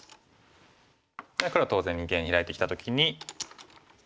黒は当然二間にヒラいてきた時に。